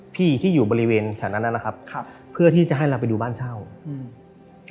พี่ที่อยู่บริเวณแถวนั้นนะครับครับเพื่อที่จะให้เราไปดูบ้านเช่าอืม